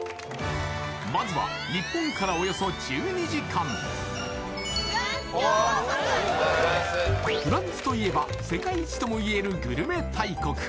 まずは日本からおよそ１２時間フランスといえば世界一ともいえるグルメ大国